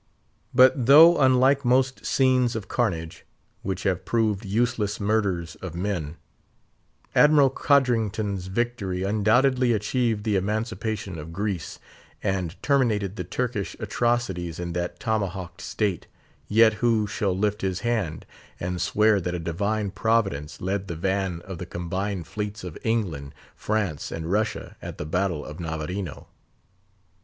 But though unlike most scenes of carnage, which have proved useless murders of men, Admiral Codrington's victory undoubtedly achieved the emancipation of Greece, and terminated the Turkish atrocities in that tomahawked state, yet who shall lift his hand and swear that a Divine Providence led the van of the combined fleets of England, France, and Russia at the battle of Navarino?